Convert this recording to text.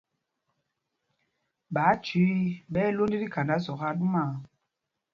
Ɓááthüii ɓɛ́ ɛ́ lwond tí khanda zɔk aa ɗumaa.